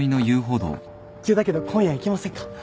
急だけど今夜行きませんか？